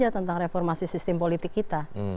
tentang reformasi sistem politik kita